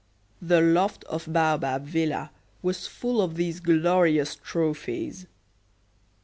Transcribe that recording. The loft of Baobab Villa was full of these glorious trophies.